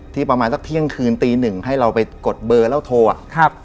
ที่ประมาณสักเที่ยงคืนตี๑ให้เราไปกดเบอร์แล้วโทร